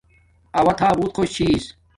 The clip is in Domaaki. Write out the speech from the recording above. اّو تھا بوت خوش چھس